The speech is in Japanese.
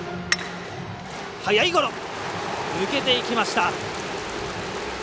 速いゴロ、抜けていきました。